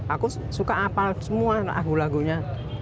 aku suka apal semua lagu lagunya